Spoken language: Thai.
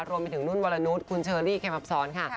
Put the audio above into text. รวมไปถึงนุ่นวรนุษย์คุณเชอรี่เข็มอับซ้อนค่ะ